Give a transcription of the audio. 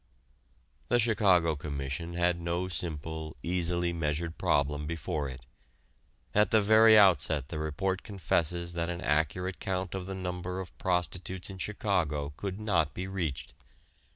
The Chicago Commission had no simple, easily measured problem before it. At the very outset the report confesses that an accurate count of the number of prostitutes in Chicago could not be reached.